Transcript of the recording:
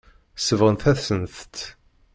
Sebɣent-asent-tt.